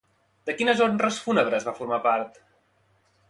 De quines honres fúnebres va formar part?